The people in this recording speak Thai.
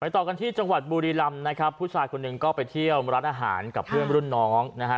ต่อกันที่จังหวัดบุรีรำนะครับผู้ชายคนหนึ่งก็ไปเที่ยวร้านอาหารกับเพื่อนรุ่นน้องนะฮะ